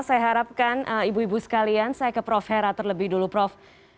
saya harapkan ibu ibu sekalian saya ke prof hera terlebih dulu prof